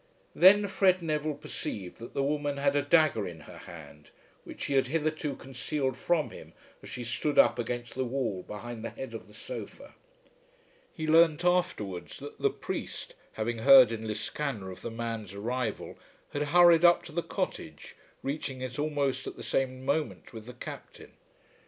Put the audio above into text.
Then Fred Neville perceived that the woman had a dagger in her hand which she had hitherto concealed from him as she stood up against the wall behind the head of the sofa. He learnt afterwards that the priest, having heard in Liscannor of the man's arrival, had hurried up to the cottage, reaching it almost at the same moment with the Captain.